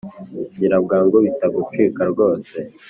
gira bwangu bitagucika rwose